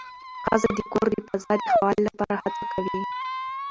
ښځه د کور د فضا د ښه والي لپاره هڅه کوي